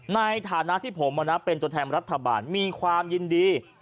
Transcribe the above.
ในฐานะที่ผมเป็นตัวแทนรัฐบาลมีความยินดี